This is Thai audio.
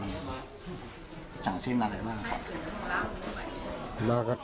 ตอนนั้นเขาก็เลยรีบวิ่งออกมาดูตอนนั้นเขาก็เลยรีบวิ่งออกมาดู